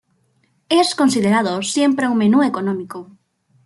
Es considerado siempre un menú económico.